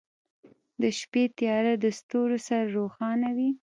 • د شپې تیاره د ستورو سره روښانه وي.